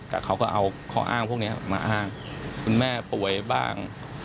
แต่เขาก็เอาข้ออ้างพวกนี้มาอ้างคุณแม่ป่วยบ้าง